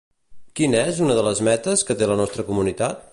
Quin és una de les metes que té la nostra comunitat?